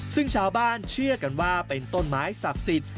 ซึ่งชาวบ้านเชื่อกันว่าเป็นต้นไม้ศักดิ์สิทธิ์